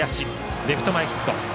レフト前ヒット。